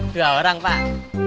dua orang pak